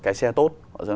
cái xe tốt